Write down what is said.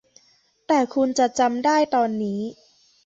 แต่คุณจะจำได้ตอนนี้